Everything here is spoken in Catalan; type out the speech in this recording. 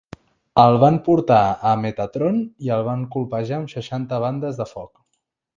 El van portar a Metatron i el van colpejar amb seixanta bandes de foc.